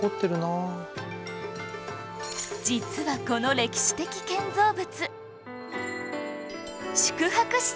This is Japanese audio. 実はこの歴史的建造物